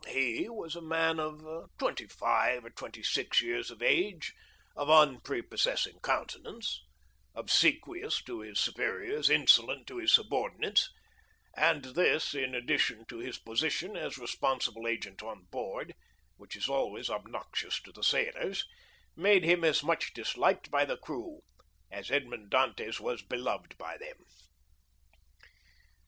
He was a man of twenty five or twenty six years of age, of unprepossessing countenance, obsequious to his superiors, insolent to his subordinates; and this, in addition to his position as responsible agent on board, which is always obnoxious to the sailors, made him as much disliked by the crew as Edmond Dantès was beloved by them.